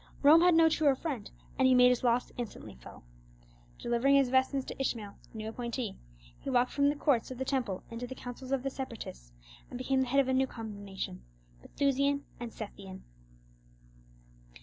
Rome had no truer friend; and he made his loss instantly felt. Delivering his vestments to Ishmael, the new appointee, he walked from the courts of the Temple into the councils of the Separatists, and became the head of a new combination, Bethusian and Sethian.